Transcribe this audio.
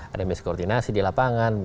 ada misi koordinasi di lapangan